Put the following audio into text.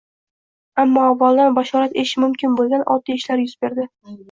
ammo avvaldan bashorat etish mumkin bo‘lgan «oddiy» ishlar yuz berdi.